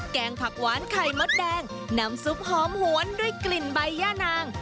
แกงผักหวานไข่มดแดงน้ำซุปหอมหวนด้วยกลิ่นใบย่านาง